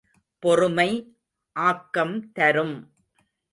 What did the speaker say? பொறுமை ஆக்கம் தரும்!